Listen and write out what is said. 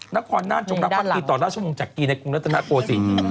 นครน่านจงรับฤทธิ์ต่อละชั่วโมงจากกี้ในกรุงรัฐนาโกสิ